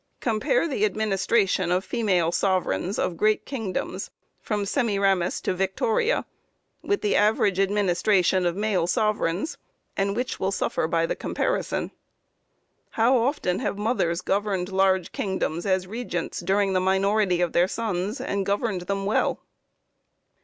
Compare the administration of female sovereigns of great kingdoms, from Semiramis to Victoria, with the average administration of male sovereigns, and which will suffer by the comparison? How often have mothers governed large kingdoms, as regents, during the minority of their sons, and governed them well?